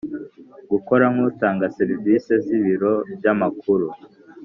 Gukora nk utanga serivisi z ibiro by amakuru